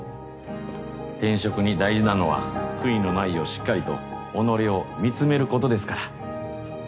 転職に大事なのは悔いのないようしっかりと己を見つめることですから。